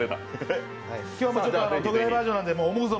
今日は特大バージョンなので思う